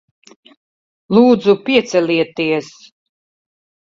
Lūdzu, piecelieties.